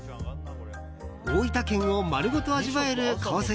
大分県を丸ごと味わえるコース